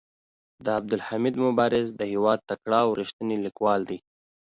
عبدالحمید مبارز د هيواد تکړه او ريښتيني ليکوال دي.